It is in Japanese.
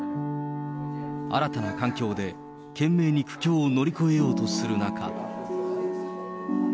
新たな環境で懸命に苦境を乗り越えようとする中。